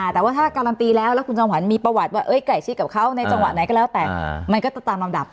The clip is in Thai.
แต่ว่าถ้าการันตีแล้วแล้วคุณจอมขวัญมีประวัติว่าใกล้ชิดกับเขาในจังหวะไหนก็แล้วแต่มันก็ตามลำดับ